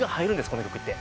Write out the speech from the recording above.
この曲って。